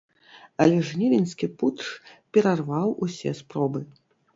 Але жнівеньскі путч перарваў усе спробы.